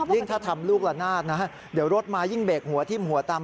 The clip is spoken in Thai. ซึ่งถ้าทำลูกละนาดเดี๋ยวรถมายิ่งเบกหัวทิมหัวตำ